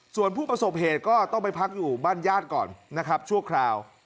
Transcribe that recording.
ส่วนผู้ประสบเหตุก็ต้องไปพักอยู่บ้านญาติก่อนนะครับชั่วคราว